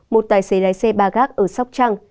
một tài xế lái xe ba gác ở sóc trăng